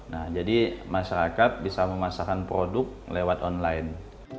nah jadi masyarakat bisa memasarkan produk lewat online